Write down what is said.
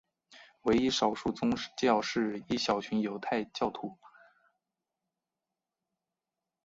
唯一的少数宗教是一小群犹太教徒。